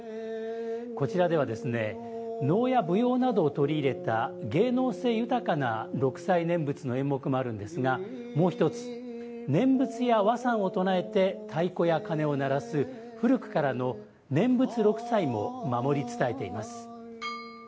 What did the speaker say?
こちらでは能や舞踊などを取り入れた芸能性豊かな六斎念仏の演目もあるんですがもう一つ、念仏や和讃を唱えて太鼓や鉦を鳴らす古くからの念仏六斎も守り伝えています。